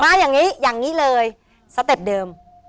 อย่างนี้อย่างนี้เลยสเต็ปเดิม